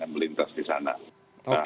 yang melintas di sana oke